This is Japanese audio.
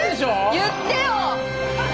言ってよ！